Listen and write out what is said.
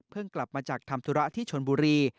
กลับมาจากทำธุระที่ชนบุรี